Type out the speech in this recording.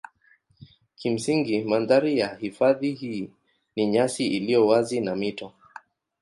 Kimsingi mandhari ya hifadhi hii ni nyasi iliyo wazi na mito.